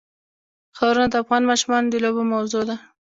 ښارونه د افغان ماشومانو د لوبو موضوع ده.